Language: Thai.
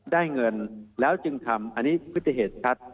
ได้เงินแล้วจึงทำอันนี้พฤติเหตุชัด